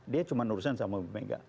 dia cuma nurusan sama ibu mega